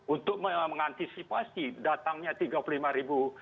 untuk mengantisipasi datangnya tiga puluh lima ribu